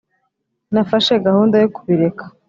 nafashe gahunda yo kubireka